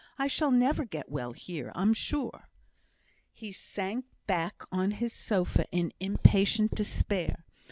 I shall never get well here, I'm sure." He sank back on his sofa in impatient despair.